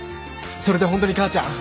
それで本当に母ちゃん。